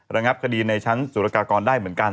ระงับคดีในชั้นสุรกากรได้เหมือนกัน